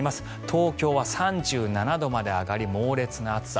東京は３７度まで上がり猛烈な暑さ。